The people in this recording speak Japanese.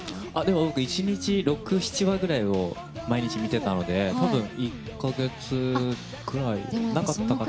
僕１日６７話ぐらいを毎日見てたので多分１か月くらいなかったかな。